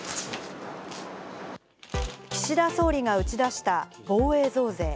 岸田総理が打ち出した防衛増税。